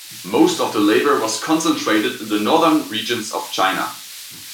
Most of their labour was concentrated in the Northern regions of China.